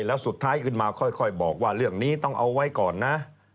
แล้วสุดท้ายขึ้นมาค่อยบอกว่าเรื่องนี้ต้องเอาไว้ก่อนนะ